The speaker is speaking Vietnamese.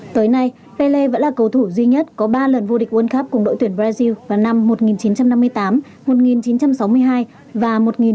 tới nay pele vẫn là cầu thủ duy nhất có ba lần vô địch world cup cùng đội tuyển brazil vào năm một nghìn chín trăm năm mươi tám một nghìn chín trăm sáu mươi hai và một nghìn chín trăm tám mươi một